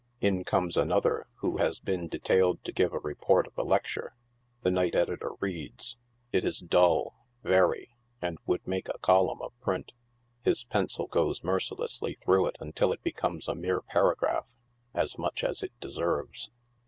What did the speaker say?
In comes another who has been detailed to give a report of a lecture. The night editor reads ; it is dull, very, and would make a column of print. His pencil goes mercilessly through it until it becomes a mere paragraph — as much as it deserves.